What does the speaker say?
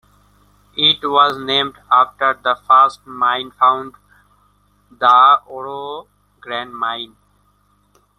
It was named after the first mine found, the Oro Grande Mine.